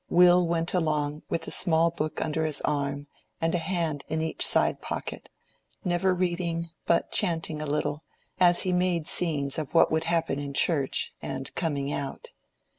Will went along with a small book under his arm and a hand in each side pocket, never reading, but chanting a little, as he made scenes of what would happen in church and coming out.